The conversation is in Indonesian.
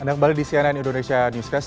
anda kembali di cnn indonesia newscast